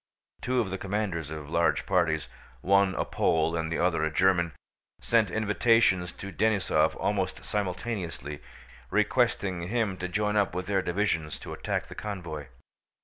Two of the commanders of large parties—one a Pole and the other a German—sent invitations to Denísov almost simultaneously, requesting him to join up with their divisions to attack the convoy.